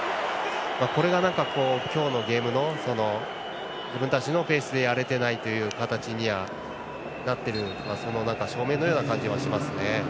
これが今日のゲームの自分たちのペースでやれてないという形のその証明のような感じもしますね。